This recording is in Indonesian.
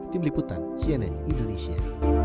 tim liputan cnn indonesia